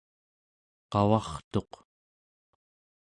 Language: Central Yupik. qavartuq